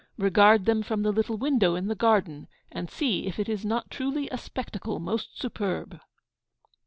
Regard them from the little window in the garden, and see if it is not truly a spectacle the most superb!